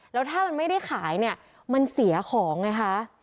แล้วถ้ามันไม่ได้ขายเนี่ยมันเสียของไงคะ